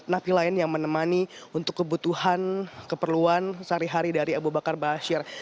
nabi lain yang menemani untuk kebutuhan keperluan sehari hari dari abu bakar ba'asyir